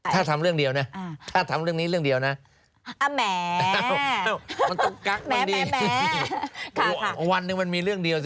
ถ้าทำเรื่องเดียว